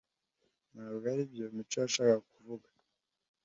Ntabwo aribyo Mico yashakaga kuvuga